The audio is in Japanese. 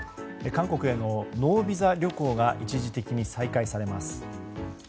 韓国へのノービザ旅行が一時的に再開されます。